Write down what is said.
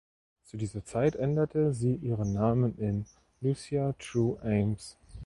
Zu dieser Zeit änderte sie ihren Namen in "Lucia True Ames".